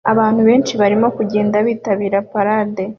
Abantu benshi barimo kugenda bitabira parade